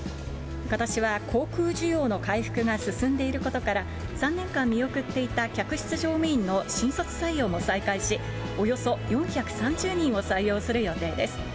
ことしは航空需要の回復が進んでいることから、３年間見送っていた客室乗務員の新卒採用も再開し、およそ４３０人を採用する予定です。